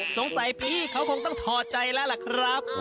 สงสัยพี่เขาคงต้องทอใจแล้วล่ะครับ